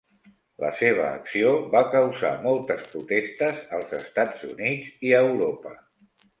La seva acció va causar moltes protestes als Estats Units i a Europa.